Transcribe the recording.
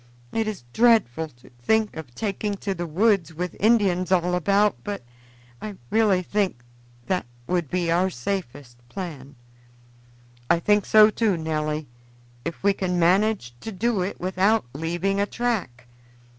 It is dreadful to think of taking to the woods with Indians all about, but I really think that would be our safest plan." "I think so too, Nelly, if we can manage to do it without leaving a track.